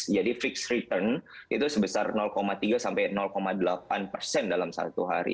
jadi fix return itu sebesar tiga sampai delapan persen dalam satu hari